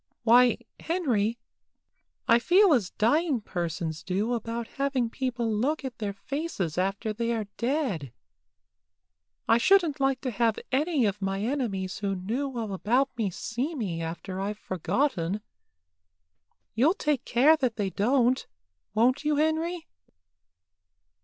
Why, Henry, I feel as dying persons do about having people look at their faces after they are dead. I shouldn't like to have any of my enemies who knew all about me see me after I've forgotten. You'll take care that they don't, won't you, Henry?"